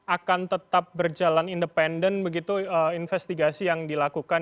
akan tetap berjalan independen begitu investigasi yang dilakukan